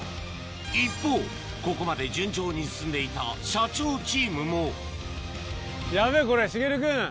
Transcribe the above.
一方ここまで順調に進んでいた社長チームもヤベェこれ茂君。